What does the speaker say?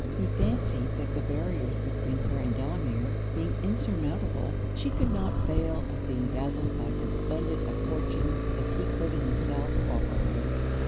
He fancied that the barriers between her and Delamere being insurmountable, she could not fail of being dazzled by so splendid a fortune as he could himself offer her.